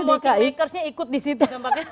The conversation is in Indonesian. semua key makersnya ikut di situ